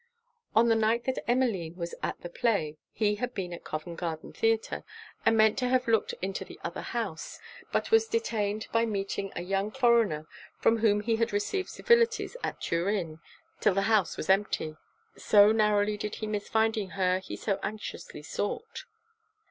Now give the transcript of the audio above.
On the night that Emmeline was at the play, he had been at Covent garden Theatre, and meant to have looked into the other house; but was detained by meeting a young foreigner from whom he had received civilities at Turin, 'till the house was empty. So narrowly did he miss finding her he so anxiously sought.